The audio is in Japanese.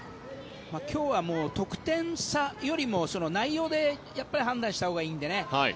今日は得点差よりも内容で判断したほうがいいんでね